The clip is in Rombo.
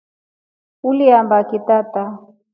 Uliambaki tata?